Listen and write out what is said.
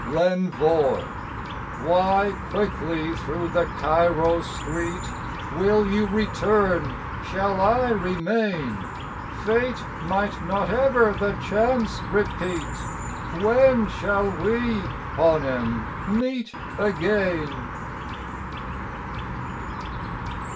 54 L' Envoi Why quickly through the Cairo street?— Will you return?—Shall I remain? Fate might not ever the chance repeat; When shall we, Hanem, meet again?